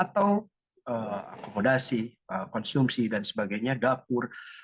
atau akomodasi konsumsi dan sebagainya dapur